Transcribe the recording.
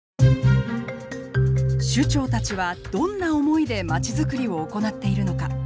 首長たちはどんな思いでまちづくりを行っているのか。